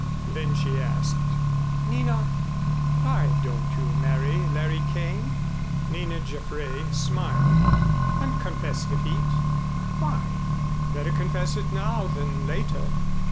Then she asked, "Nina, why don't you marry Larry Kane?" Nina Jaffray smiled. "And confess defeat? Why?" "Better confess it now than later."